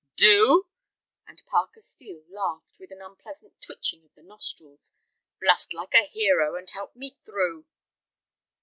"Do!" And Parker Steel laughed with an unpleasant twitching of the nostrils. "Bluffed like a hero, and helped me through."